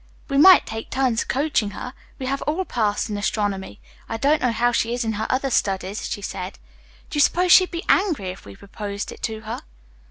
"We might take turns coaching her. We have all passed in astronomy. I don't know how she is in her other studies," she said. "Do you suppose she'd be angry if we proposed it to her?"